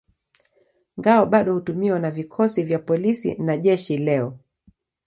Ngao bado hutumiwa na vikosi vya polisi na jeshi leo.